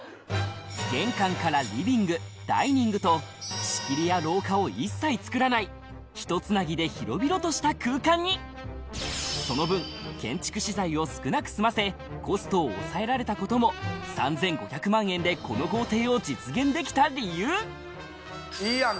玄関からリビングダイニングと仕切りや廊下を一切造らないひとつなぎで広々とした空間にその分建築資材を少なく済ませコストを抑えられたことも３５００万円でこの豪邸を実現できた理由いいやん